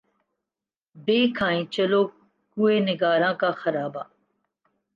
دیکھ آئیں چلو کوئے نگاراں کا خرابہ